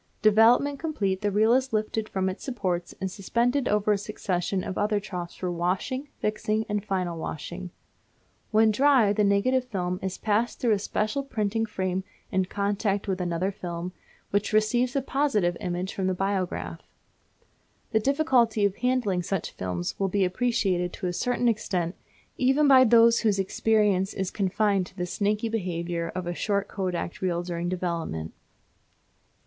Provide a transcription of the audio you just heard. Development complete, the reel is lifted from its supports and suspended over a succession of other troughs for washing, fixing, and final washing. When dry the negative film is passed through a special printing frame in contact with another film, which receives the positive image for the biograph. The difficulty of handling such films will be appreciated to a certain extent even by those whose experience is confined to the snaky behaviour of a short Kodak reel during development.